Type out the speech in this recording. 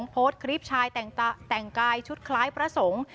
โพสต์คลิปชายแต่งกายชุดคล้ายพระสงฆ์